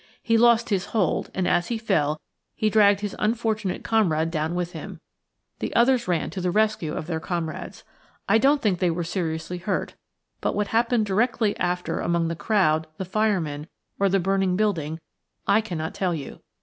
He lost his hold, and as he fell he dragged his unfortunate comrade down with him. The others ran to the rescue of their comrades. I don't think they were seriously hurt, but what happened directly after among the crowd, the firemen, or the burning building, I cannot tell you.